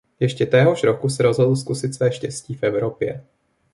Ještě téhož roku se rozhodl zkusit své štěstí v Evropě.